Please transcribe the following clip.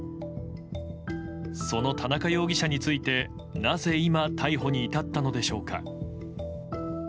その田中容疑者について、なぜ今逮捕に至ったのでしょうか。